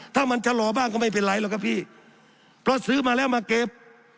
ถ้ามันชะลอบ้างก็ไม่เป็นไรหรอกครับพี่เพราะซื้อมาแล้วมาเก็บ